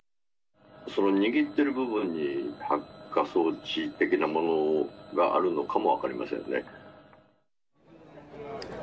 その握ってる部分に、発火装置的なものがあるのかも分かりませんね。